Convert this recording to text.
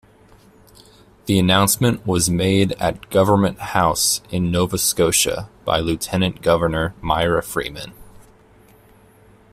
The announcement was made at Government House in Nova Scotia by Lieutenant-Governor Myra Freeman.